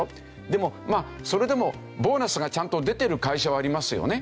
でもそれでもボーナスがちゃんと出てる会社はありますよね。